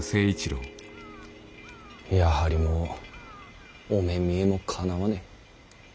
やはりもうお目見えもかなわねぇ。